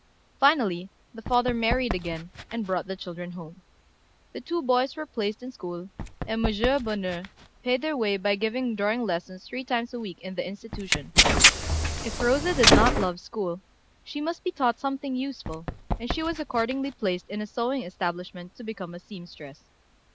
Finally the father married again and brought the children home. The two boys were placed in school, and M. Bonheur paid their way by giving drawing lessons three times a week in the institution. If Rosa did not love school, she must be taught something useful, and she was accordingly placed in a sewing establishment to become a seamstress.